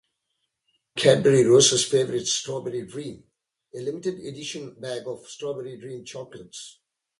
Cadbury Roses Favourites Strawberry Dream: a limited edition bag of Strawberry Dream chocolates.